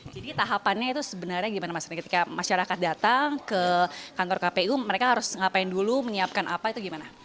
jadi tahapannya itu sebenarnya gimana mas ketika masyarakat datang ke kantor kpu mereka harus ngapain dulu menyiapkan apa itu gimana